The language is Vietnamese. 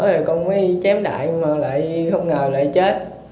thì con mới chém đại mà lại không ngờ lại chết